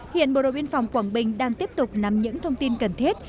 hiện bộ đội biên phòng quảng bình đang tiếp tục nắm những thông tin cần thiết